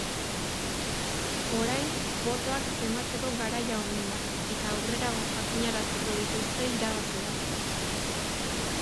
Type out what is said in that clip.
Orain, botoak zenbatzeko garaia omen da eta aurrerago jakinaraziko dituzte irabazleak.